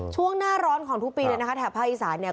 ช่วงหน้าร้อนของทุกปีเลยนะคะแถบภาคอีสานเนี่ย